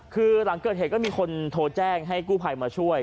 คือหลังเกิดเหตุก็มีคนโทรแจ้งให้กู้ภัยมาช่วย